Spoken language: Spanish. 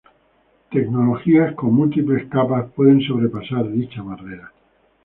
Tecnologías con múltiples capas pueden sobrepasar dicha barrera.